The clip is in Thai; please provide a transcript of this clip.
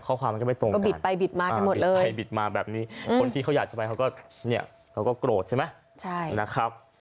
เข้าความมันก็ไม่ตรงกันให้บิดมาแบบนี้แต่คนที่เขาอยากจะไปเขาก็กรดใช่ไหมนะครับ